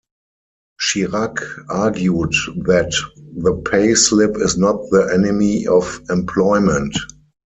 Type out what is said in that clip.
Chirac argued that "the pay slip is not the enemy of employment".